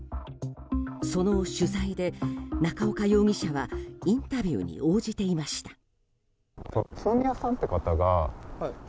その取材で、中岡容疑者はインタビューに応じていました。